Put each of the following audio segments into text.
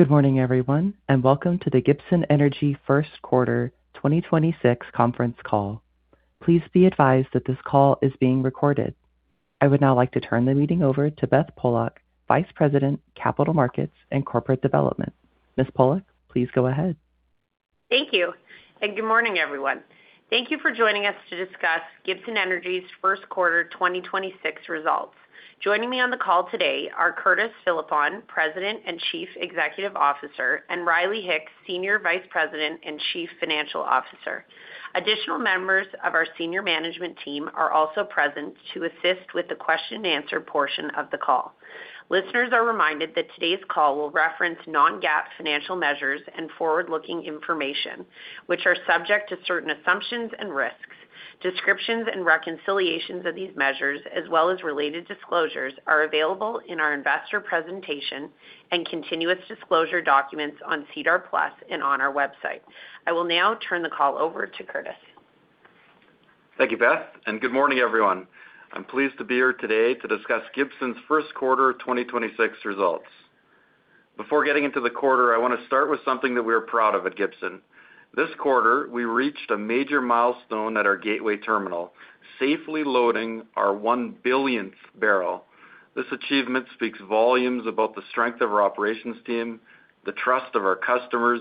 Good morning, everyone, welcome to the Gibson Energy first quarter 2026 conference call. Please be advised that this call is being recorded. I would now like to turn the meeting over to Beth Pollock, Vice President, Capital Markets and Corporate Development. Ms. Pollock, please go ahead. Thank you, and good morning, everyone. Thank you for joining us to discuss Gibson Energy's first-quarter 2026 results. Joining me on the call today are Curtis Philippon, President and Chief Executive Officer, and Riley Hicks, Senior Vice President and Chief Financial Officer. Additional members of our senior management team are also present to assist with the question-and-answer portion of the call. Listeners are reminded that today's call will reference non-GAAP financial measures and forward-looking information, which are subject to certain assumptions and risks. Descriptions and reconciliations of these measures, as well as related disclosures, are available in our investor presentation and continuous disclosure documents on SEDAR+ and on our website. I will now turn the call over to Curtis. Thank you, Beth, and good morning, everyone. I'm pleased to be here today to discuss Gibson's first-quarter 2026 results. Before getting into the quarter, I wanna start with something that we are proud of at Gibson. This quarter, we reached a major milestone at our Gateway terminal, safely loading our 1-billionth barrel. This achievement speaks volumes about the strength of our operations team, the trust of our customers,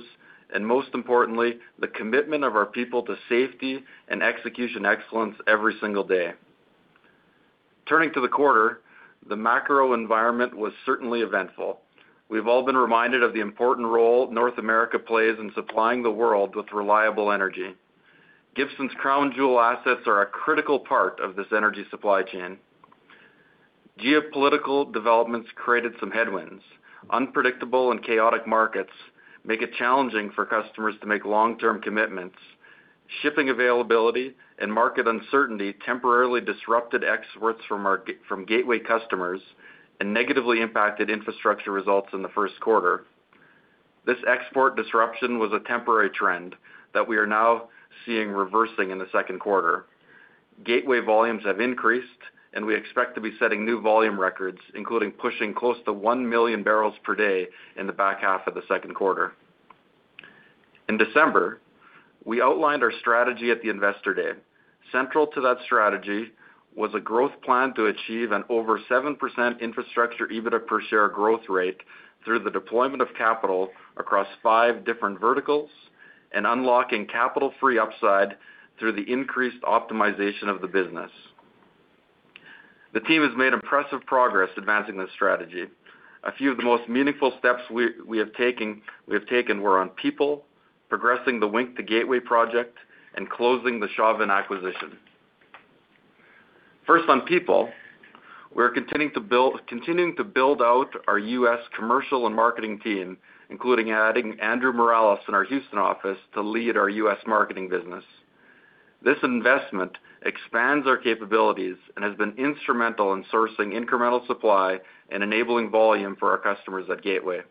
and most importantly, the commitment of our people to safety and execution excellence every single day. Turning to the quarter, the macro environment was certainly eventful. We've all been reminded of the important role North America plays in supplying the world with reliable energy. Gibson's crown jewel assets are a critical part of this energy supply chain. Geopolitical developments created some headwinds. Unpredictable and chaotic markets make it challenging for customers to make long-term commitments. Shipping availability and market uncertainty temporarily disrupted exports from our from Gateway customers and negatively impacted infrastructure results in the first quarter. This export disruption was a temporary trend that we are now seeing reversing in the second quarter. Gateway volumes have increased, and we expect to be setting new volume records, including pushing close to 1 million barrels per day in the back half of the second quarter. In December, we outlined our strategy at the Investor Day. Central to that strategy was a growth plan to achieve an over 7% infrastructure EBITDA per share growth rate through the deployment of capital across five different verticals and unlocking capital-free upside through the increased optimization of the business. The team has made impressive progress advancing this strategy. A few of the most meaningful steps we have taken were on people, progressing the Wink-to-Gateway project, and closing the Chauvin acquisition. First, on people, we're continuing to build out our U.S. commercial and marketing team, including adding Andrew Morales in our Houston office to lead our U.S. marketing business. This investment expands our capabilities and has been instrumental in sourcing incremental supply and enabling volume for our customers at Gateway.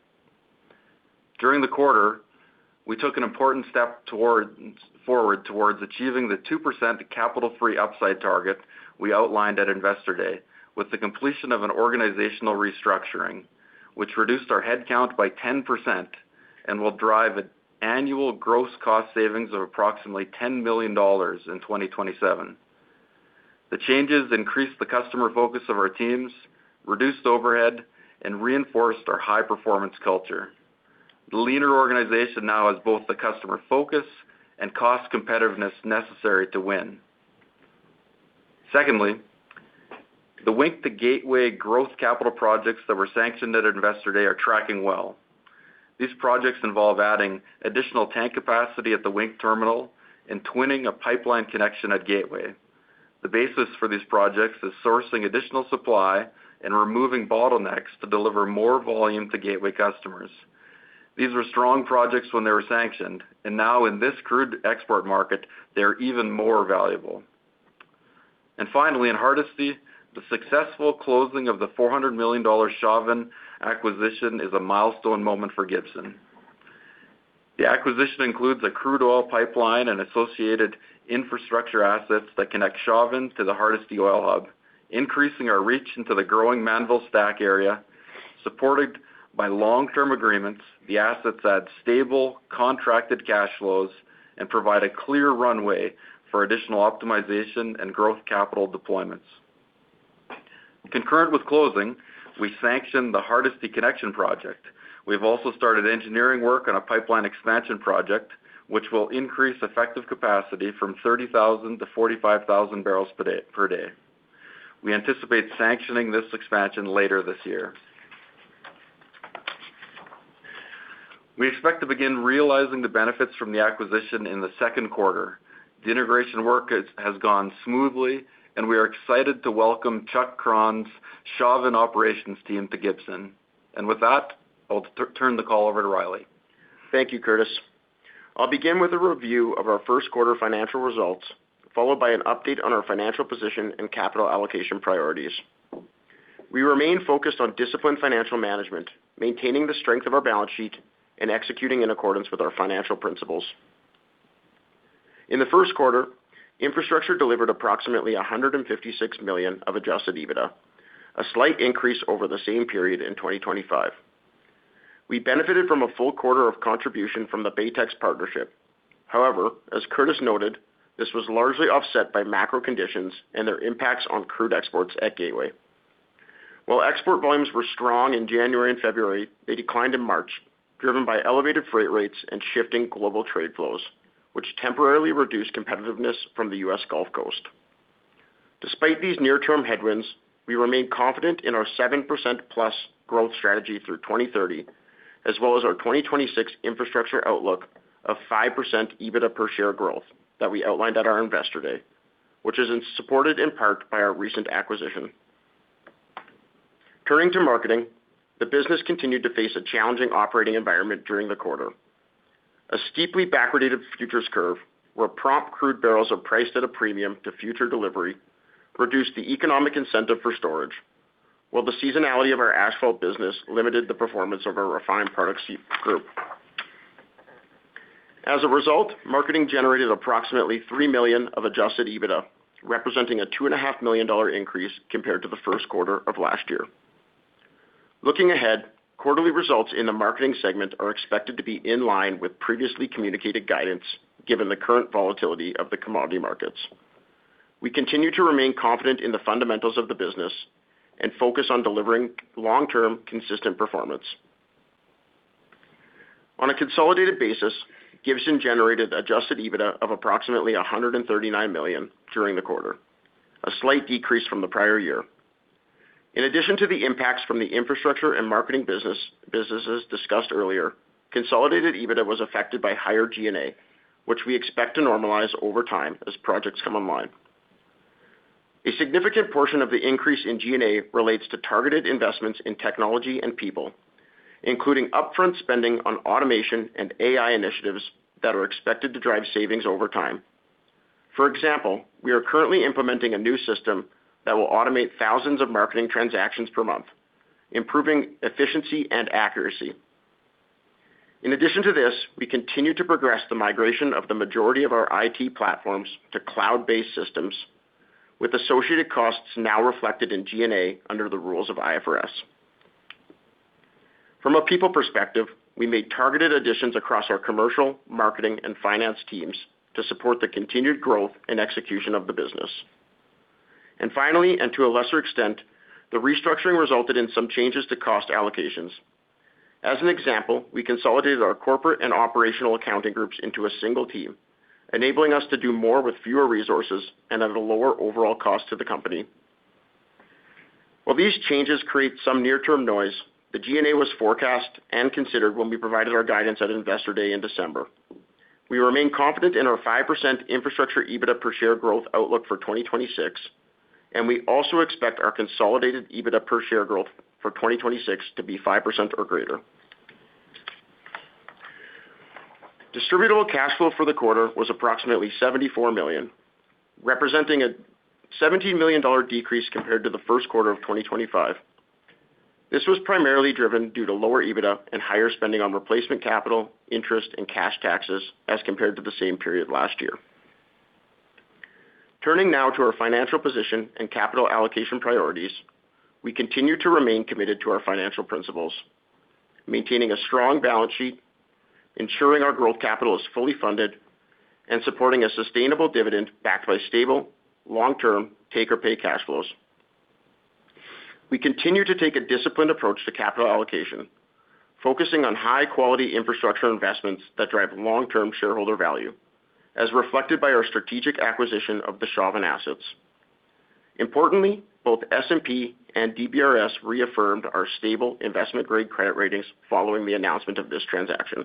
During the quarter, we took an important step forward toward achieving the 2% capital-free upside target we outlined at Investor Day with the completion of an organizational restructuring, which reduced our head count by 10% and will drive an annual gross cost savings of approximately 10 million dollars in 2027. The changes increased the customer focus of our teams, reduced overhead, and reinforced our high-performance culture. The leaner organization now has both the customer focus and cost competitiveness necessary to win. Secondly, the Wink-to-Gateway growth capital projects that were sanctioned at Investor Day are tracking well. These projects involve adding additional tank capacity at the Wink terminal and twinning a pipeline connection at Gateway. The basis for these projects is sourcing additional supply and removing bottlenecks to deliver more volume to Gateway customers. These were strong projects when they were sanctioned, and now in this crude export market, they're even more valuable. Finally, in Hardisty, the successful closing of the 400 million dollar Chauvin acquisition is a milestone moment for Gibson. The acquisition includes a crude oil pipeline and associated infrastructure assets that connect Chauvin to the Hardisty oil hub, increasing our reach into the growing Mannville STACK area. Supported by long-term agreements, the assets add stable, contracted cash flows and provide a clear runway for additional optimization and growth capital deployments. Concurrent with closing, we sanctioned the Hardisty Connection project. We've also started engineering work on a pipeline expansion project, which will increase effective capacity from 30,000 to 45,000 barrels per day. We anticipate sanctioning this expansion later this year. We expect to begin realizing the benefits from the acquisition in the second quarter. The integration work has gone smoothly, and we are excited to welcome Chuck Kron's Chauvin operations team to Gibson. With that, I'll turn the call over to Riley. Thank you, Curtis. I'll begin with a review of our first quarter financial results, followed by an update on our financial position and capital allocation priorities. We remain focused on disciplined financial management, maintaining the strength of our balance sheet, and executing in accordance with our financial principles. In the first quarter, infrastructure delivered approximately 156 million of adjusted EBITDA, a slight increase over the same period in 2025. We benefited from a full quarter of contribution from the Baytex partnership. As Curtis noted, this was largely offset by macro conditions and their impacts on crude exports at Gateway. While export volumes were strong in January and February, they declined in March, driven by elevated freight rates and shifting global trade flows, which temporarily reduced competitiveness from the U.S. Gulf Coast. Despite these near-term headwinds, we remain confident in our 7% plus growth strategy through 2030, as well as our 2026 infrastructure outlook of 5% EBITDA per share growth that we outlined at our Investor Day, which is supported in part by our recent acquisition. Turning to marketing, the business continued to face a challenging operating environment during the quarter. A steeply backwardated futures curve, where prompt crude barrels are priced at a premium to future delivery, reduced the economic incentive for storage, while the seasonality of our asphalt business limited the performance of our refined products group. As a result, marketing generated approximately 3 million of adjusted EBITDA, representing a 2.5 million dollar increase compared to the first quarter of last year. Looking ahead, quarterly results in the marketing segment are expected to be in line with previously communicated guidance given the current volatility of the commodity markets. We continue to remain confident in the fundamentals of the business and focus on delivering long-term consistent performance. On a consolidated basis, Gibson generated adjusted EBITDA of approximately 139 million during the quarter, a slight decrease from the prior year. In addition to the impacts from the infrastructure and marketing business, businesses discussed earlier, consolidated EBITDA was affected by higher G&A, which we expect to normalize over time as projects come online. A significant portion of the increase in G&A relates to targeted investments in technology and people, including upfront spending on automation and AI initiatives that are expected to drive savings over time. For example, we are currently implementing a new system that will automate thousands of marketing transactions per month, improving efficiency and accuracy. In addition to this, we continue to progress the migration of the majority of our IT platforms to cloud-based systems, with associated costs now reflected in G&A under the rules of IFRS. From a people perspective, we made targeted additions across our commercial, marketing, and finance teams to support the continued growth and execution of the business. Finally, and to a lesser extent, the restructuring resulted in some changes to cost allocations. As an example, we consolidated our corporate and operational accounting groups into a single team, enabling us to do more with fewer resources and at a lower overall cost to the company. While these changes create some near-term noise, the G&A was forecast and considered when we provided our guidance at Investor Day in December. We remain confident in our 5% infrastructure EBITDA per share growth outlook for 2026, and we also expect our consolidated EBITDA per share growth for 2026 to be 5% or greater. Distributable cash flow for the quarter was approximately 74 million, representing a 17 million dollar decrease compared to the first quarter of 2025. This was primarily driven due to lower EBITDA and higher spending on replacement capital, interest, and cash taxes as compared to the same period last year. Turning now to our financial position and capital allocation priorities. We continue to remain committed to our financial principles, maintaining a strong balance sheet, ensuring our growth capital is fully funded, and supporting a sustainable dividend backed by stable, long-term, take-or-pay cash flows. We continue to take a disciplined approach to capital allocation, focusing on high-quality infrastructure investments that drive long-term shareholder value, as reflected by our strategic acquisition of the Chauvin assets. Importantly, both S&P and DBRS reaffirmed our stable investment-grade credit ratings following the announcement of this transaction.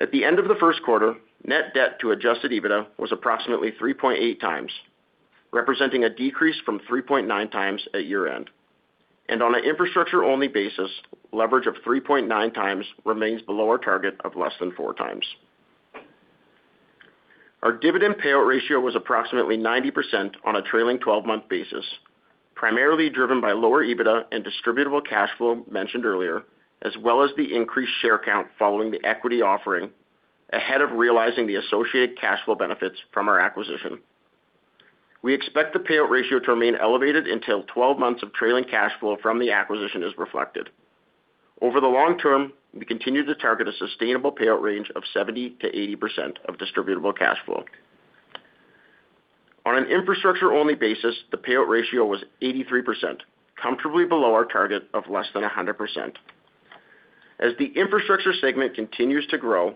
At the end of the first quarter, net debt to adjusted EBITDA was approximately 3.8x, representing a decrease from 3.9x at year-end. On an infrastructure-only basis, leverage of 3.9x remains below our target of less than 4x. Our dividend payout ratio was approximately 90% on a trailing 12-month basis, primarily driven by lower EBITDA and distributable cash flow mentioned earlier, as well as the increased share count following the equity offering ahead of realizing the associated cash flow benefits from our acquisition. We expect the payout ratio to remain elevated until 12 months of trailing cash flow from the acquisition is reflected. Over the long term, we continue to target a sustainable payout range of 70% to 80% of distributable cash flow. On an infrastructure-only basis, the payout ratio was 83%, comfortably below our target of less than 100%. As the infrastructure segment continues to grow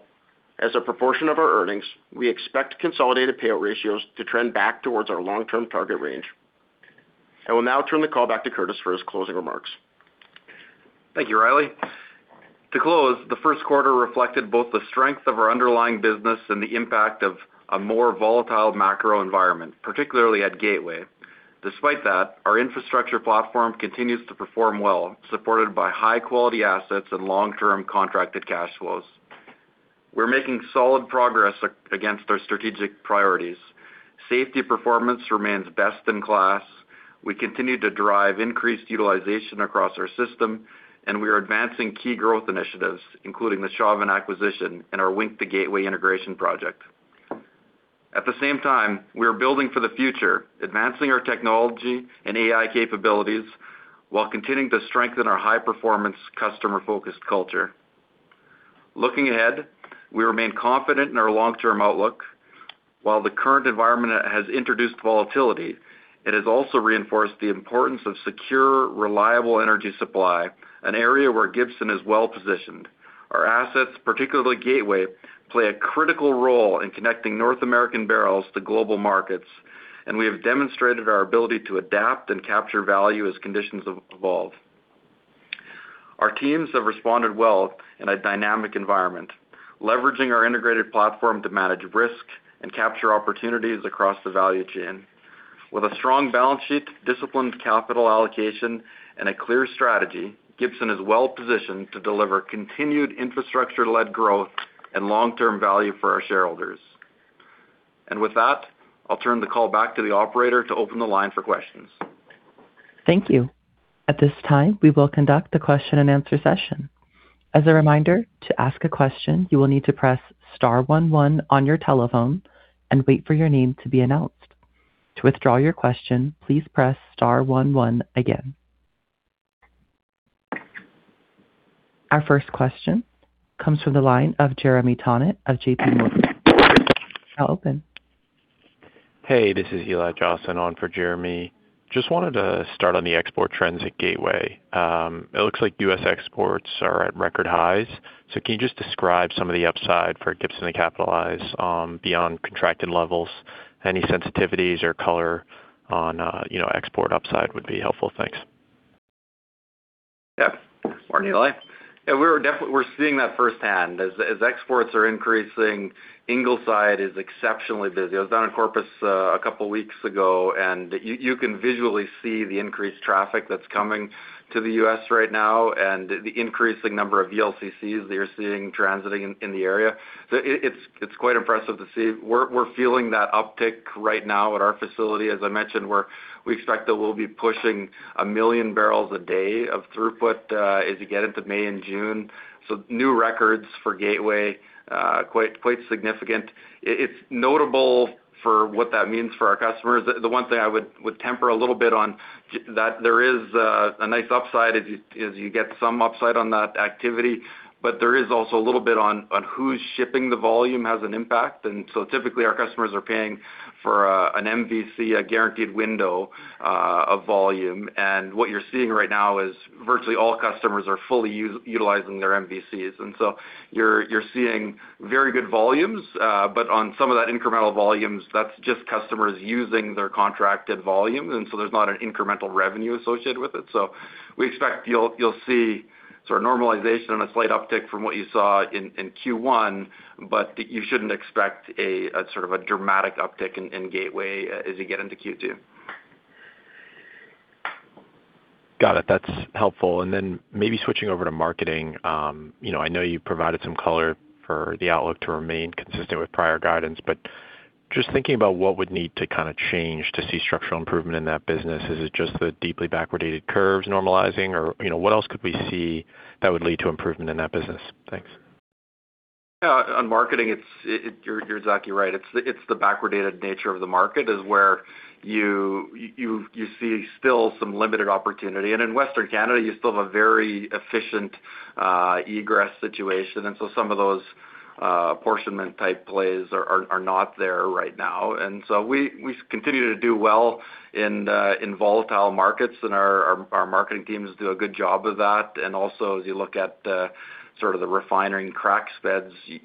as a proportion of our earnings, we expect consolidated payout ratios to trend back towards our long-term target range. I will now turn the call back to Curtis for his closing remarks. Thank you, Riley. To close, the first quarter reflected both the strength of our underlying business and the impact of a more volatile macro environment, particularly at Gateway. Despite that, our infrastructure platform continues to perform well, supported by high-quality assets and long-term contracted cash flows. We're making solid progress against our strategic priorities. Safety performance remains best in class. We continue to drive increased utilization across our system, and we are advancing key growth initiatives, including the Chauvin acquisition and our Wink-to-Gateway integration project. At the same time, we are building for the future, advancing our technology and AI capabilities while continuing to strengthen our high-performance customer-focused culture. Looking ahead, we remain confident in our long-term outlook. While the current environment has introduced volatility, it has also reinforced the importance of secure, reliable energy supply, an area where Gibson is well-positioned. Our assets, particularly Gateway, play a critical role in connecting North American barrels to global markets, and we have demonstrated our ability to adapt and capture value as conditions evolve. Our teams have responded well in a dynamic environment, leveraging our integrated platform to manage risk and capture opportunities across the value chain. With a strong balance sheet, disciplined capital allocation, and a clear strategy, Gibson is well-positioned to deliver continued infrastructure-led growth and long-term value for our shareholders. With that, I'll turn the call back to the operator to open the line for questions. Thank you. At this time, we will conduct the question-and-answer session. As a reminder, to ask a question, you will need to press star one one on your telephone and wait for your name to be announced. To withdraw your question, please press star one one again. Our first question comes from the line of Jeremy Tonet of J.P. Morgan. Hey, this is Eli Josson on for Jeremy. Just wanted to start on the export trends at Gateway. It looks like U.S. exports are at record highs. Can you just describe some of the upside for Gibson to capitalize beyond contracted levels? Any sensitivities or color on, you know, export upside would be helpful. Thanks. Morning, Eli. We're seeing that firsthand. As exports are increasing, Ingleside is exceptionally busy. I was down in Corpus a couple weeks ago, you can visually see the increased traffic that's coming to the U.S. right now and the increasing number of VLCCs that you're seeing transiting in the area. It's quite impressive to see. We're feeling that uptick right now at our facility. As I mentioned, we expect that we'll be pushing 1 million barrels a day of throughput as you get into May and June. New records for Gateway, quite significant. It's notable for what that means for our customers. The one thing I would temper a little bit on that there is a nice upside as you get some upside on that activity, but there is also a little bit on who's shipping the volume has an impact. Typically, our customers are paying for an MVC, a guaranteed window of volume. What you're seeing right now is virtually all customers are fully utilizing their MVCs. You're seeing very good volumes, but on some of that incremental volumes, that's just customers using their contracted volumes, there's not an incremental revenue associated with it. We expect you'll see sort of normalization and a slight uptick from what you saw in Q1, but you shouldn't expect a sort of a dramatic uptick in Gateway as you get into Q2. Got it. That's helpful. Maybe switching over to Marketing, you know, I know you provided some color for the outlook to remain consistent with prior guidance, but just thinking about what would need to kind of change to see structural improvement in that business. Is it just the deeply backwardated curves normalizing or, you know, what else could we see that would lead to improvement in that business? Thanks. Yeah. On marketing, you're exactly right. It's the backwardated nature of the market is where you see still some limited opportunity. In Western Canada, you still have a very efficient egress situation. Some of those apportionment type plays are not there right now. We continue to do well in volatile markets, and our marketing teams do a good job of that. Also, as you look at sort of the refinery crack spreads, you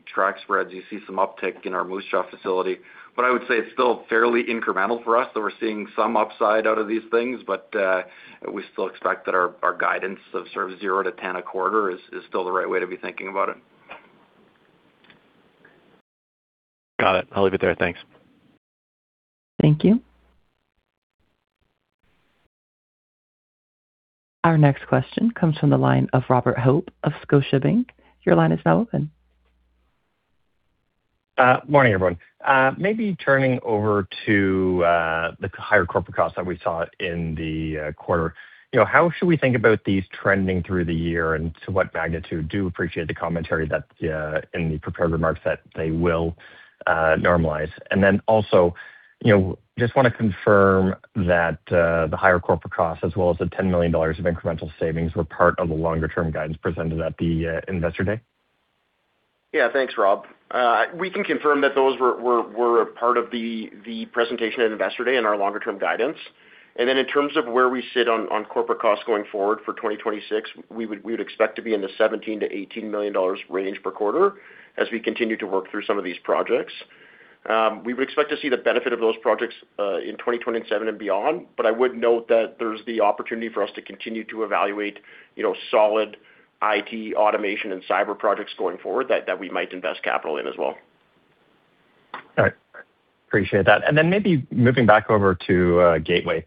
see some uptick in our Moose Jaw facility. I would say it's still fairly incremental for us, that we're seeing some upside out of these things. We still expect that our guidance of sort of zero to 10 a quarter is still the right way to be thinking about it. Got it. I'll leave it there. Thanks. Thank you. Our next question comes from the line of Robert Hope of Scotiabank. Your line is now open. Morning, everyone. Maybe turning over to the higher corporate costs that we saw in the quarter. You know, how should we think about these trending through the year, and to what magnitude? Do appreciate the commentary that in the prepared remarks that they will normalize. Then also, you know, just wanna confirm that the higher corporate costs as well as the 10 million dollars of incremental savings were part of the longer-term guidance presented at the Investor Day. Yeah. Thanks, Rob. We can confirm that those were a part of the presentation at Investor Day and our longer-term guidance. In terms of where we sit on corporate costs going forward for 2026, we would expect to be in the 17 million-18 million dollars range per quarter as we continue to work through some of these projects. We would expect to see the benefit of those projects in 2027 and beyond. I would note that there's the opportunity for us to continue to evaluate, you know, solid IT automation and cyber projects going forward that we might invest capital in as well. All right. Appreciate that. Maybe moving back over to Gateway.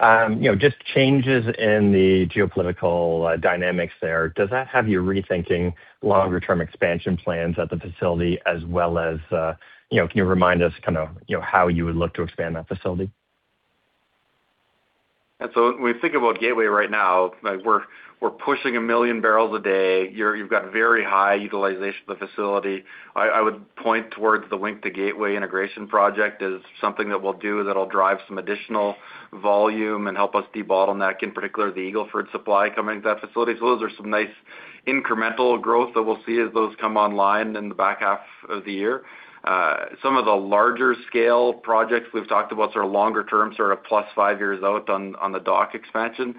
You know, just changes in the geopolitical dynamics there, does that have you rethinking longer-term expansion plans at the facility as well as, you know, can you remind us kind of, you know, how you would look to expand that facility? When we think about Gateway right now, like we're pushing 1 million barrels a day. You've got very high utilization of the facility. I would point towards the Wink-to-Gateway integration project as something that we'll do that'll drive some additional volume and help us debottleneck, in particular the Eagle Ford supply coming to that facility. Those are some nice incremental growth that we'll see as those come online in the back half of the year. Some of the larger scale projects we've talked about sort of longer term, sort of plus five years out on the dock expansion.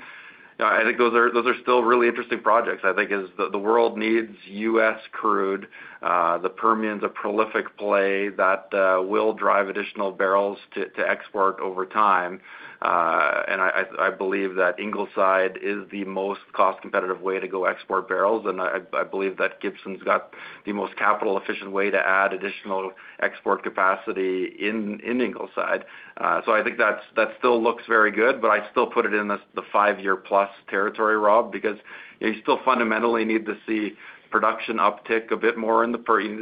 I think those are still really interesting projects. I think as the world needs U.S. crude, the Permian's a prolific play that will drive additional barrels to export over time. I believe that Ingleside is the most cost-competitive way to go export barrels, and I believe that Gibson's got the most capital efficient way to add additional export capacity in Ingleside. I think that still looks very good, but I still put it in the five-year plus territory, Rob, because you still fundamentally need to see production uptick a bit more in the Permian.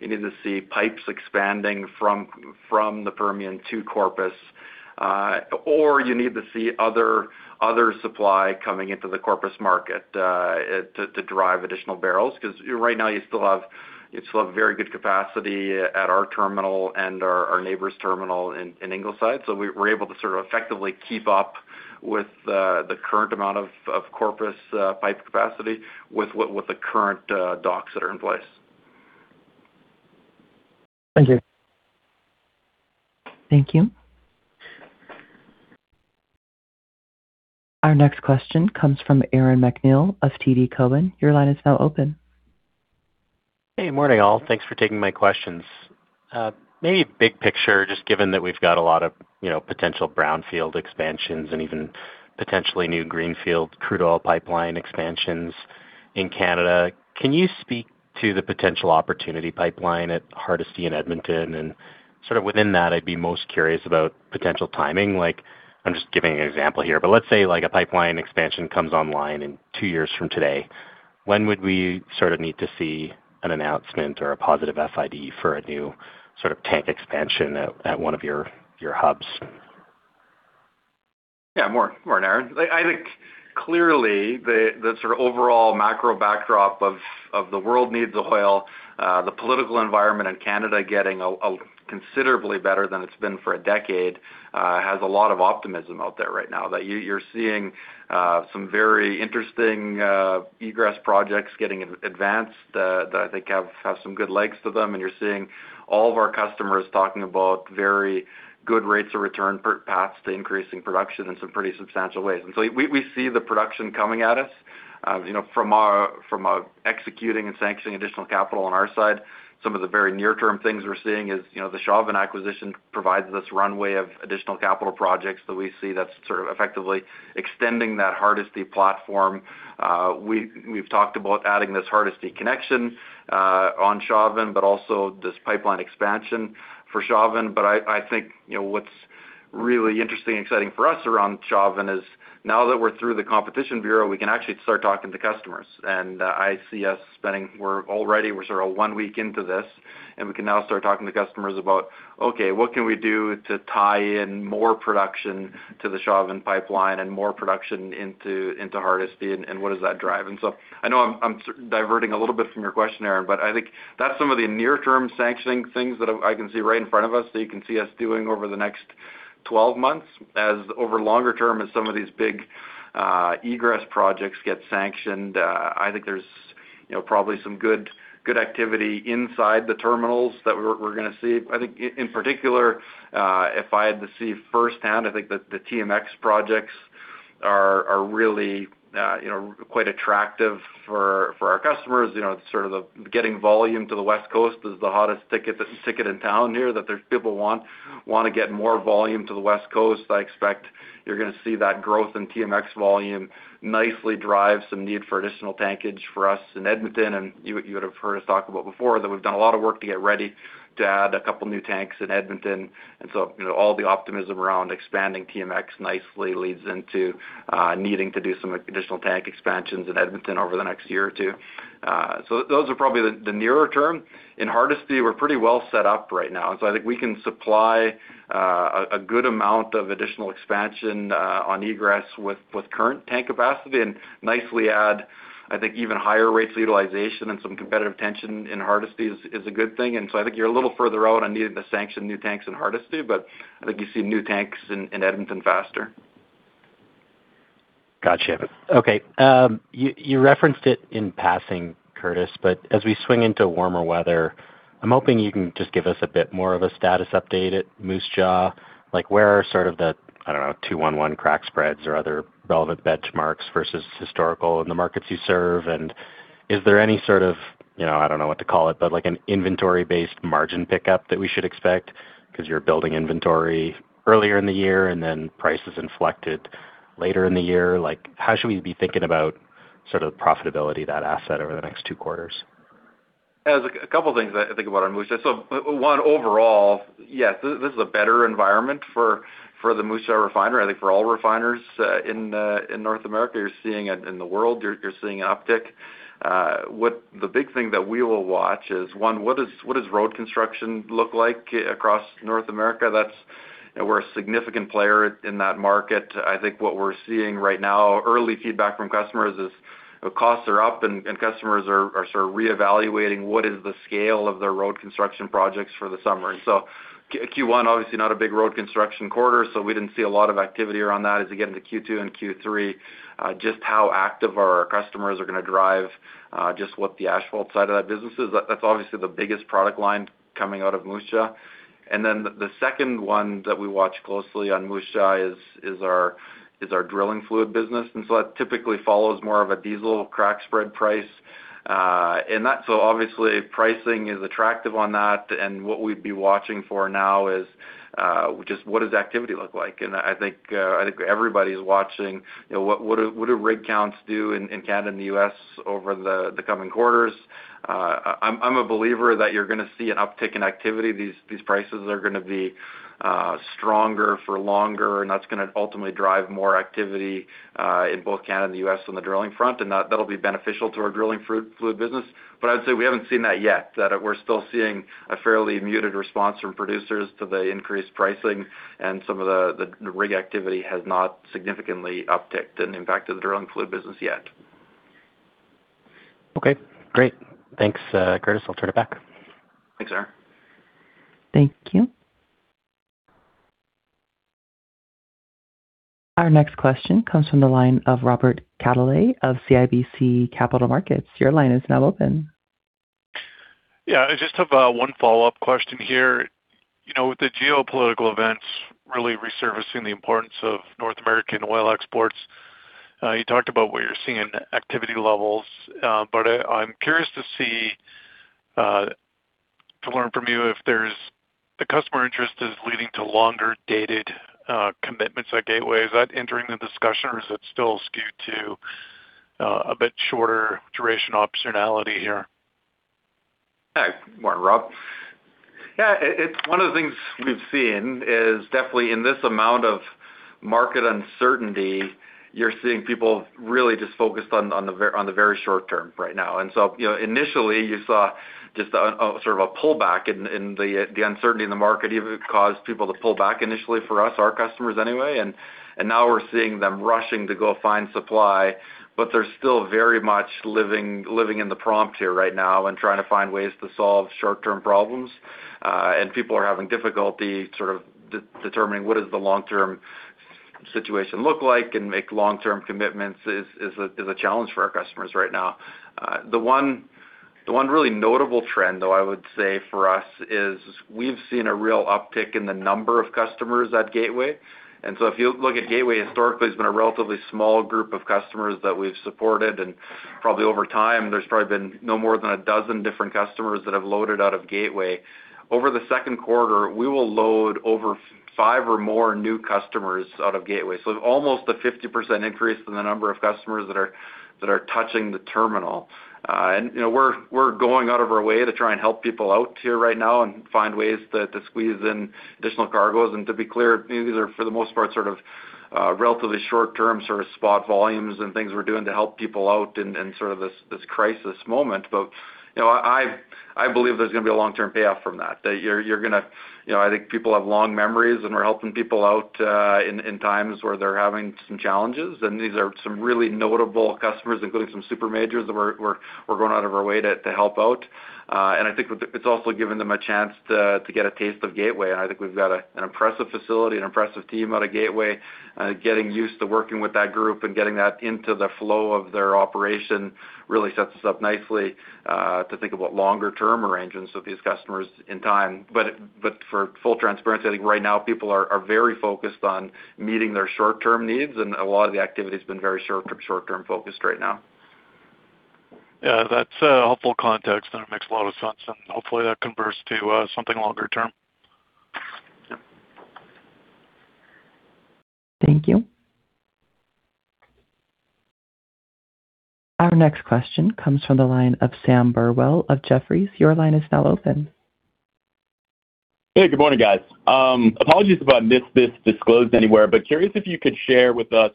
You need to see pipes expanding from the Permian to Corpus, or you need to see other supply coming into the Corpus market to drive additional barrels. 'Cause right now you still have very good capacity at our terminal and our neighbor's terminal in Ingleside. We're able to sort of effectively keep up with the current amount of Corpus pipe capacity with what, with the current docks that are in place. Thank you. Thank you. Our next question comes from Aaron MacNeil of TD Cowen. Your line is now open. Hey, morning all. Thanks for taking my questions. Maybe big picture, just given that we've got a lot of, you know, potential brownfield expansions and even potentially new greenfield crude oil pipeline expansions in Canada, can you speak to the potential opportunity pipeline at Hardisty in Edmonton? Sort of within that, I'd be most curious about potential timing. Like, I'm just giving an example here, but let's say like a pipeline expansion comes online in two years from today. When would we sort of need to see an announcement or a positive FID for a new sort of tank expansion at one of your hubs? Yeah. Morning, Aaron. I think clearly the sort of overall macro backdrop of the world needs oil, the political environment in Canada getting a considerably better than it's been for a decade, has a lot of optimism out there right now, that you're seeing some very interesting egress projects getting advanced that I think have some good legs to them. You're seeing all of our customers talking about very good rates of return per paths to increasing production in some pretty substantial ways. We see the production coming at us. You know, from our, from our executing and sanctioning additional capital on our side, some of the very near-term things we're seeing is, you know, the Chauvin acquisition provides this runway of additional capital projects that we see that's sort of effectively extending that Hardisty platform. We've talked about adding this Hardisty Connection on Chauvin, but also this pipeline expansion for Chauvin. I think, you know, what's really interesting and exciting for us around Chauvin is now that we're through the Competition Bureau, we can actually start talking to customers. I see us we're already, we're sort of one week into this, and we can now start talking to customers about, okay, what can we do to tie in more production to the Chauvin pipeline and more production into Hardisty, and what does that drive? I know I'm sort of diverting a little bit from your question, Aaron, but I think that's some of the near-term sanctioning things that I can see right in front of us that you can see us doing over the next 12 months. Over longer term as some of these big egress projects get sanctioned, I think there's, you know, probably some good activity inside the terminals that we're gonna see. In particular, if I had to see firsthand, I think that the TMX projects are really, you know, quite attractive for our customers. You know, it's sort of the getting volume to the West Coast is the hottest ticket in town here, that people want to get more volume to the West Coast. I expect you're gonna see that growth in TMX volume nicely drive some need for additional tankage for us in Edmonton. You would have heard us talk about before that we've done a lot of work to get ready to add two new tanks in Edmonton. You know, all the optimism around expanding TMX nicely leads into needing to do some additional tank expansions in Edmonton over the next year or two. Those are probably the nearer term. In Hardisty, we're pretty well set up right now, I think we can supply a good amount of additional expansion on egress with current tank capacity and nicely add, I think, even higher rates of utilization and some competitive tension in Hardisty is a good thing. I think you're a little further out on needing to sanction new tanks in Hardisty, but I think you see new tanks in Edmonton faster. Gotcha. Okay. You referenced it in passing, Curtis, but as we swing into warmer weather, I'm hoping you can just give us a bit more of a status update at Moose Jaw. Like, where are sort of the, I don't know, 2-1-1 crack spreads or other relevant benchmarks versus historical in the markets you serve? Is there any sort of, you know, I don't know what to call it, but like an inventory-based margin pickup that we should expect 'cause you're building inventory earlier in the year and then prices inflected later in the year? Like, how should we be thinking about sort of profitability of that asset over the next two quarters? There's two things I think about on Moose Jaw. One, overall, yes, this is a better environment for the Moose Jaw refinery. I think for all refiners, in North America, you're seeing it in the world. You're seeing an uptick. The big thing that we will watch is one, what does road construction look like across North America? That's where a significant player in that market. I think what we're seeing right now, early feedback from customers is costs are up and customers are sort of reevaluating what is the scale of their road construction projects for the summer. Q1, obviously not a big road construction quarter, so we didn't see a lot of activity around that. As we get into Q2 and Q3, just how active our customers are going to drive, just what the asphalt side of that business is. That's obviously the biggest product line coming out of Moose Jaw. The second one that we watch closely on Moose Jaw is our drilling fluid business. That typically follows more of a diesel crack spread price in that. Obviously, pricing is attractive on that. What we'd be watching for now is just what does activity look like? I think, I think everybody's watching, you know, what do rig counts do in Canada and the U.S. over the coming quarters. I'm a believer that you're going to see an uptick in activity. These prices are gonna be stronger for longer, and that's gonna ultimately drive more activity in both Canada and the U.S. on the drilling front. That, that'll be beneficial to our drilling fluid business. I'd say we haven't seen that yet, that we're still seeing a fairly muted response from producers to the increased pricing and some of the rig activity has not significantly up-ticked and impacted the drilling fluid business yet. Okay, great. Thanks, Curtis. I'll turn it back. Thanks, Aaron. Thank you. Our next question comes from the line of Robert Catellier of CIBC Capital Markets. Your line is now open. Yeah. I just have one follow-up question here. You know, with the geopolitical events really resurfacing the importance of North American oil exports, you talked about what you're seeing in activity levels. I'm curious to see, to learn from you if the customer interest is leading to longer dated commitments at Gateway. Is that entering the discussion or is it still skewed to a bit shorter duration optionality here? Hey. Morning, Rob. Yeah, it's one of the things we've seen is definitely in this amount of market uncertainty, you're seeing people really just focused on the very short term right now. You know, initially, you saw just a sort of a pullback in the uncertainty in the market even caused people to pull back initially for us, our customers anyway. Now we're seeing them rushing to go find supply, but they're still very much living in the prompt here right now and trying to find ways to solve short-term problems. People are having difficulty sort of determining what is the long-term situation look like and make long-term commitments is a challenge for our customers right now. The one really notable trend, though, I would say for us is we've seen a real uptick in the number of customers at Gateway. If you look at Gateway, historically, it's been a relatively small group of customers that we've supported, and probably over time, there's probably been no more than 12 different customers that have loaded out of Gateway. Over the second quarter, we will load over five or more new customers out of Gateway. Almost a 50% increase in the number of customers that are touching the terminal. You know, we're going out of our way to try and help people out here right now and find ways to squeeze in additional cargoes. To be clear, these are, for the most part, sort of, relatively short-term sort of spot volumes and things we're doing to help people out in this crisis moment. You know, I believe there's gonna be a long-term payoff from that. You know, I think people have long memories, and we're helping people out in times where they're having some challenges. These are some really notable customers, including some super majors that we're going out of our way to help out. I think it's also given them a chance to get a taste of Gateway. I think we’ve got an impressive facility, an impressive team out of Gateway, getting used to working with that group and getting that into the flow of their operation really sets us up nicely to think about longer-term arrangements with these customers in time. For full transparency, I think right now people are very focused on meeting their short-term needs, and a lot of the activity has been very short-term focused right now. Yeah. That's a helpful context, and it makes a lot of sense. Hopefully, that converts to something longer term. Thank you. Our next question comes from the line of Sam Burwell of Jefferies. Your line is now open. Hey, good morning, guys. Apologies if I missed this disclosed anywhere, but curious if you could share with us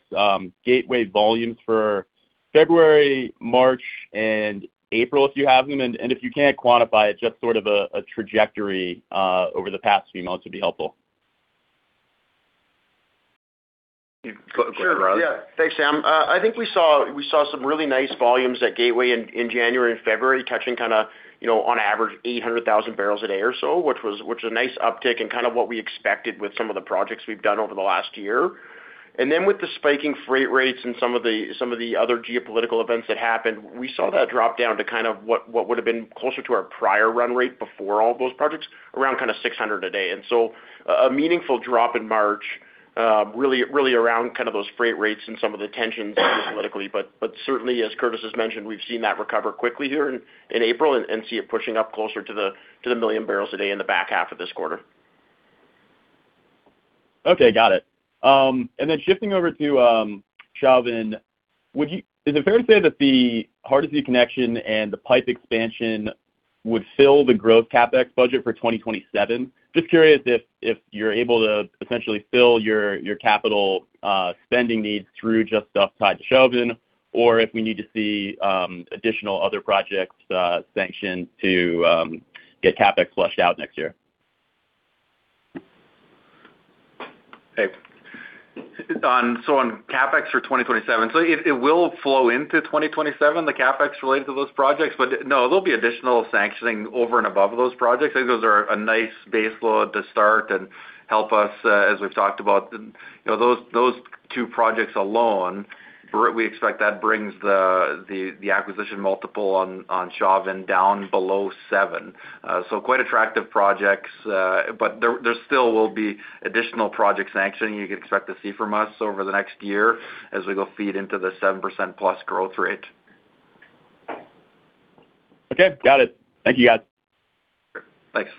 Gateway volumes for February, March, and April, if you have them. If you can't quantify it, just sort of a trajectory over the past few months would be helpful. Go ahead, Riley. Sure. Yeah. Thanks, Sam. I think we saw some really nice volumes at Gateway in January and February, touching kind of, you know, on average, 800,000 barrels a day or so, which was, which is a nice uptick and kind of what we expected with some of the projects we've done over the last year. With the spiking freight rates and some of the other geopolitical events that happened, we saw that drop down to kind of what would have been closer to our prior run rate before all those projects, around kind of 600 a day. A meaningful drop in March, really around kind of those freight rates and some of the tensions politically. Certainly, as Curtis has mentioned, we've seen that recover quickly here in April and see it pushing up closer to the 1 million barrels a day in the back half of this quarter. Okay, got it. Shifting over to Chauvin, is it fair to say that the Hardisty Connection and the pipe expansion would fill the growth CapEx budget for 2027? Just curious if you're able to essentially fill your capital spending needs through just stuff tied to Chauvin or if we need to see additional other projects sanctioned to get CapEx flushed out next year. Hey. On CapEx for 2027. It will flow into 2027, the CapEx related to those projects. No, there'll be additional sanctioning over and above those projects. I think those are a nice base load to start and help us, as we've talked about. You know, those two projects alone, we expect that brings the acquisition multiple on Chauvin down below 7. Quite attractive projects, there still will be additional project sanctioning you can expect to see from us over the next year as we go feed into the 7%+ growth rate. Okay, got it. Thank you, guys. Thanks.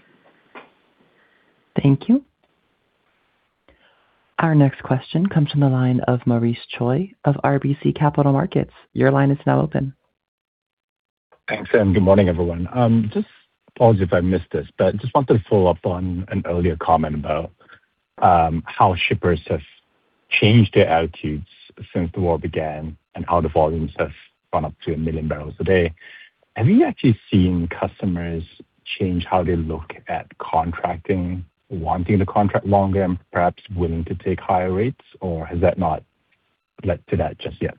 Thank you. Our next question comes from the line of Maurice Choy of RBC Capital Markets. Your line is now open. Thanks, good morning, everyone. Just apologize if I missed this, but just wanted to follow up on an earlier comment about how shippers have changed their attitudes since the war began and how the volumes have gone up to 1 million barrels a day. Have you actually seen customers change how they look at contracting, wanting to contract longer and perhaps willing to take higher rates, or has that not led to that just yet?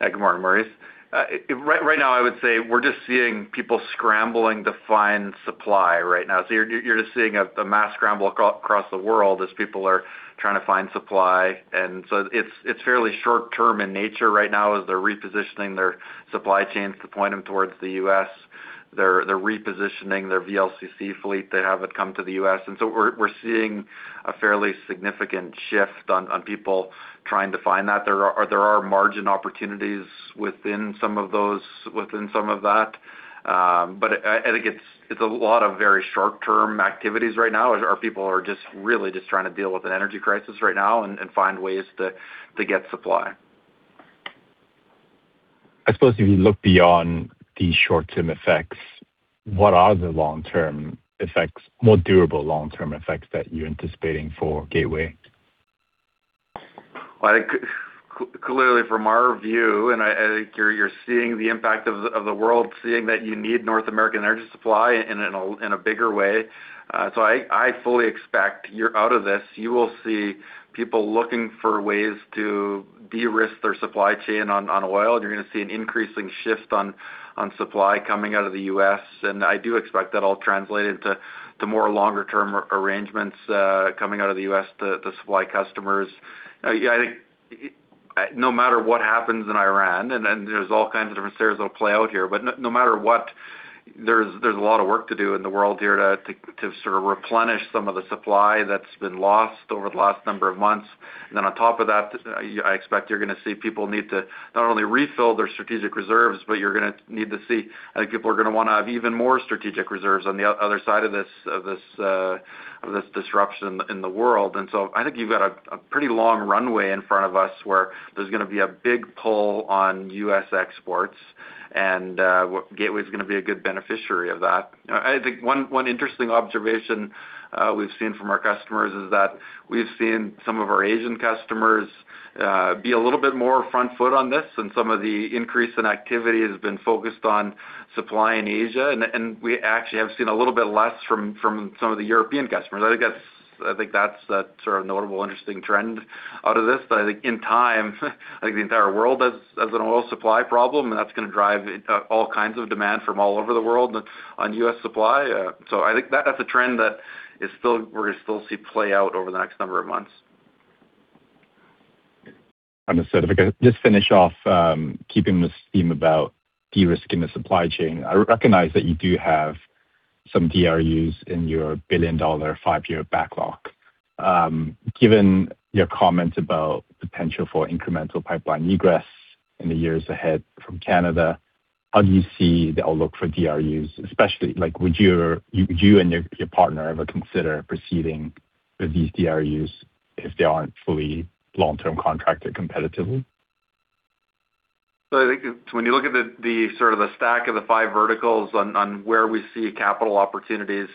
Yeah. Good morning, Maurice. Right now, I would say we're just seeing people scrambling to find supply right now. You're just seeing a mass scramble across the world as people are trying to find supply. It's fairly short-term in nature right now as they're repositioning their supply chains to point them towards the U.S. They're repositioning their VLCC fleet to have it come to the U.S. We're seeing a fairly significant shift on people trying to find that. There are margin opportunities within some of that. I think it's a lot of very short-term activities right now as our people are just really just trying to deal with an energy crisis right now and find ways to get supply. I suppose if you look beyond the short-term effects, what are the long-term effects, more durable long-term effects that you're anticipating for Gateway? Well, I think clearly from our view, and I think you're seeing the impact of the world seeing that you need North American energy supply in a bigger way. I fully expect year out of this, you will see people looking for ways to de-risk their supply chain on oil. You're gonna see an increasing shift on supply coming out of the U.S., I do expect that all translated to more longer term arrangements coming out of the U.S. to supply customers. Yeah, I think no matter what happens in Iran, then there's all kinds of different scenarios that'll play out here, but no matter what, there's a lot of work to do in the world here to sort of replenish some of the supply that's been lost over the last number of months. On top of that, I expect you're gonna see people need to not only refill their strategic reserves, but you're gonna need to see, I think people are gonna wanna have even more strategic reserves on the other side of this, of this disruption in the world. So I think you've got a pretty long runway in front of us where there's gonna be a big pull on U.S. exports, and Gateway is gonna be a good beneficiary of that. I think one interesting observation, we've seen from our customers is that we've seen some of our Asian customers be a little bit more front foot on this, and some of the increase in activity has been focused on supply in Asia. We actually have seen a little bit less from some of the European customers. I think that's a sort of notable interesting trend out of this. I think in time, I think the entire world has an oil supply problem, and that's gonna drive all kinds of demand from all over the world on U.S. supply. I think that's a trend that we're gonna still see play out over the next number of months. Understood. Okay. Just finish off, keeping this theme about de-risking the supply chain. I recognize that you do have some DRUs in your 1 billion 5-year backlog. Given your comments about potential for incremental pipeline egress in the years ahead from Canada, how do you see the outlook for DRUs, especially like, would you and your partner ever consider proceeding with these DRUs if they aren't fully long-term contracted competitively? I think it's when you look at the sort of the stack of the five verticals on where we see capital opportunities,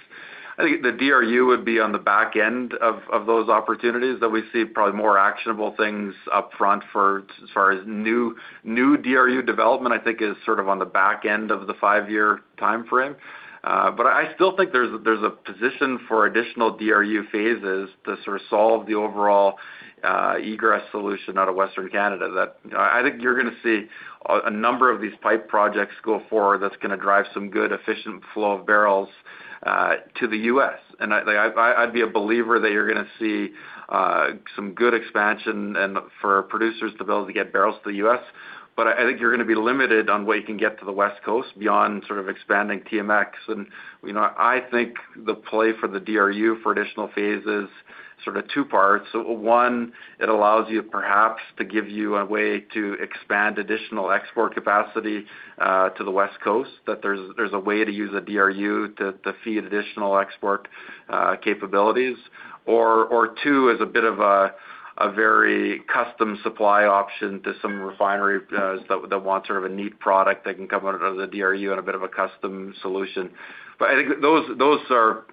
I think the DRU would be on the back end of those opportunities that we see probably more actionable things upfront for as far as new DRU development, I think is sort of on the back end of the five-year timeframe. I still think there's a position for additional DRU phases to sort of solve the overall egress solution out of Western Canada that I think you're gonna see a number of these pipe projects go forward that's gonna drive some good efficient flow of barrels, to the U.S. I, like I'd be a believer that you're gonna see some good expansion and for producers to be able to get barrels to the U.S. I think you're gonna be limited on where you can get to the West Coast beyond sort of expanding TMX. You know, I think the play for the DRU for additional phases sort of two parts. One, it allows you perhaps to give you a way to expand additional export capacity to the West Coast, that there's a way to use a DRU to feed additional export capabilities. Or two, is a bit of a very custom supply option to some refinery that want sort of a neat product that can come out of the DRU in a bit of a custom solution. I think those are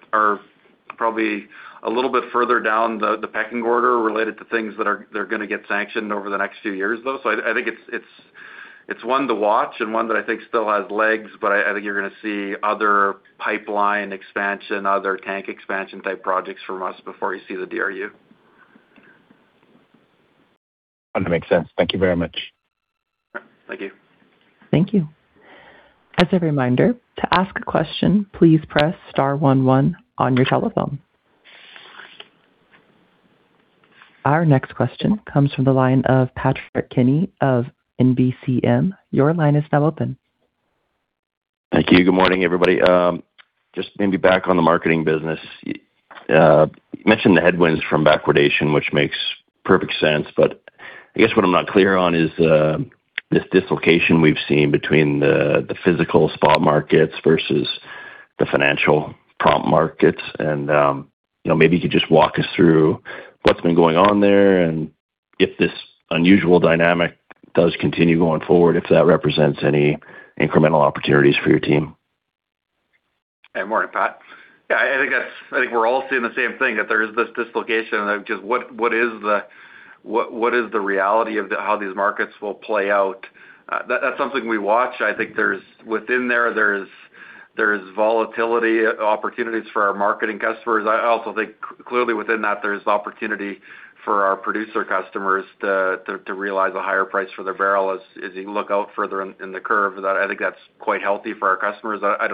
probably a little bit further down the pecking order related to things they're gonna get sanctioned over the next few years, though. I think it's one to watch and one that I think still has legs. I think you're gonna see other pipeline expansion, other tank expansion-type projects from us before you see the DRU. That makes sense. Thank you very much. Thank you. Thank you. As a reminder, to ask a question, please press star one one on your telephone. Our next question comes from the line of Patrick Kenny of NBCM. Your line is now open. Thank you. Good morning, everybody. Just maybe back on the marketing business. You mentioned the headwinds from backwardation, which makes perfect sense. I guess what I'm not clear on is this dislocation we've seen between the physical spot markets versus the financial prompt markets. You know, maybe you could just walk us through what's been going on there and if this unusual dynamic does continue going forward, if that represents any incremental opportunities for your team? Hey, morning, Pat. I think we're all seeing the same thing, that there is this dislocation. Just what is the reality of how these markets will play out? That's something we watch. I think within there's volatility opportunities for our marketing customers. I also think clearly within that there's opportunity for our producer customers to realize a higher price for their barrel as you look out further in the curve. I think that's quite healthy for our customers. I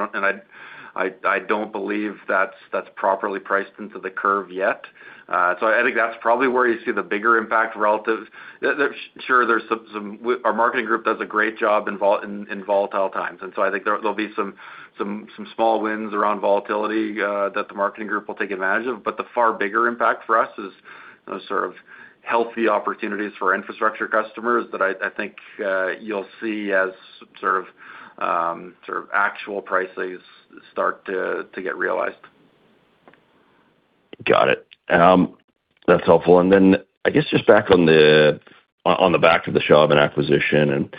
don't believe that's properly priced into the curve yet. I think that's probably where you see the bigger impact relative. Sure there's some. Our marketing group does a great job in volatile times. I think there'll be some small wins around volatility that the marketing group will take advantage of. The far bigger impact for us is those sort of healthy opportunities for infrastructure customers that I think you'll see as some sort of actual prices start to get realized. Got it. That's helpful. I guess just back on the, on the back of the Chauvin acquisition and,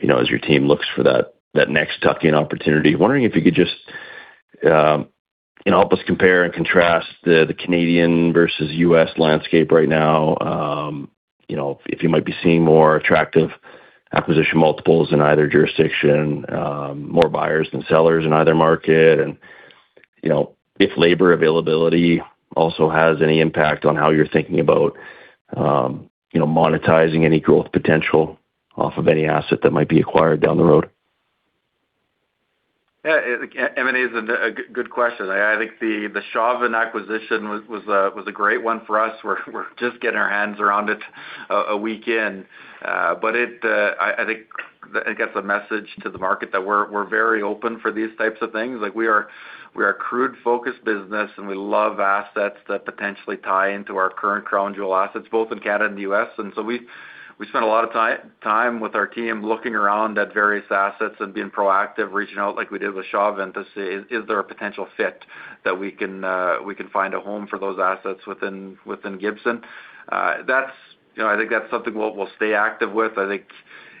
you know, as your team looks for that next tuck-in opportunity, wondering if you could just, you know, help us compare and contrast the Canadian versus U.S. landscape right now. You know, if you might be seeing more attractive acquisition multiples in either jurisdiction, more buyers than sellers in either market, and, you know, if labor availability also has any impact on how you're thinking about, you know, monetizing any growth potential off of any asset that might be acquired down the road. Yeah, I think M&A is a good question. I think the Chauvin acquisition was a great one for us. We're just getting our hands around it a week in. It, I think it gets a message to the market that we're very open for these types of things. Like, we're a crude-focused business, and we love assets that potentially tie into our current Crown Jewel assets both in Canada and U.S. We've spent a lot of time with our team looking around at various assets and being proactive, reaching out like we did with Chauvin to see is there a potential fit that we can find a home for those assets within Gibson. That's, you know, I think that's something we'll stay active with. I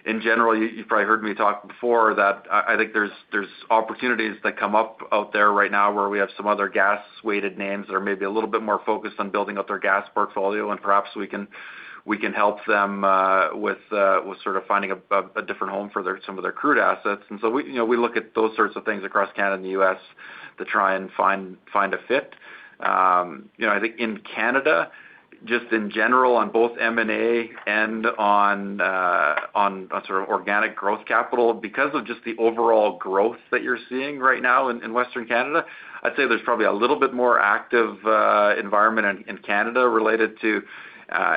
think in general, you probably heard me talk before that I think there's opportunities that come up out there right now where we have some other gas-weighted names that are maybe a little bit more focused on building up their gas portfolio, and perhaps we can help them with sort of finding a different home for some of their crude assets. We, you know, we look at those sorts of things across Canada and the U.S. to try and find a fit. You know, I think in Canada, just in general on both M&A and on a sort of organic growth capital, because of just the overall growth that you're seeing right now in Western Canada, I'd say there's probably a little bit more active environment in Canada related to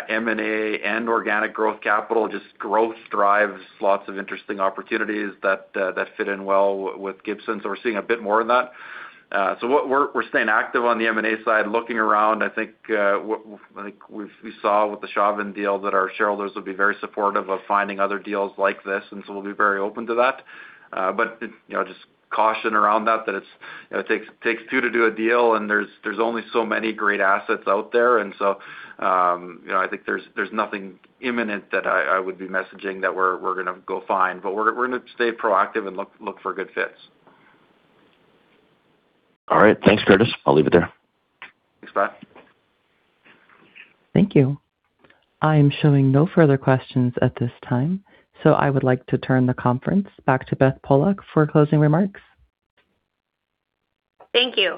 M&A and organic growth capital. Just growth drives lots of interesting opportunities that fit in well with Gibson, so we're seeing a bit more of that. What we're staying active on the M&A side, looking around. I think we saw with the Chauvin deal that our shareholders would be very supportive of finding other deals like this. We'll be very open to that. You know, just caution around that it's, you know, it takes two to do a deal, there's only so many great assets out there. You know, I think there's nothing imminent that I would be messaging that we're gonna go find. We're gonna stay proactive and look for good fits. All right. Thanks, Curtis. I'll leave it there. Thanks, Pat. Thank you. I am showing no further questions at this time. I would like to turn the conference back to Beth Pollock for closing remarks. Thank you.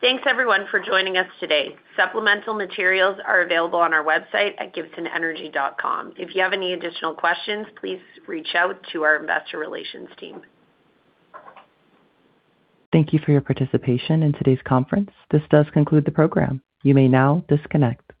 Thanks everyone for joining us today. Supplemental materials are available on our website at gibsonenergy.com. If you have any additional questions, please reach out to our investor relations team. Thank you for your participation in today's conference. This does conclude the program. You may now disconnect.